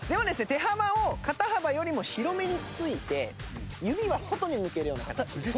手幅を肩幅よりも広めについて指は外に向けるような形です。